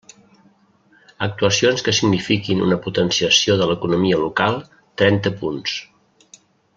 Actuacions que signifiquin una potenciació de l'economia local, trenta punts.